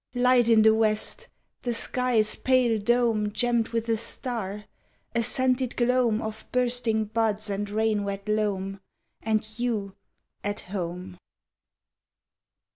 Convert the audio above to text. Light in the west! The sky's pale dome Gemmed with a star; a scented gloam Of bursting buds and rain wet loam And you at home!